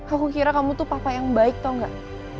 aku kira kamu itu papa yang baik tau gak